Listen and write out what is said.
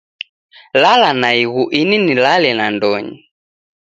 Lala naighu ini nilale nandonyi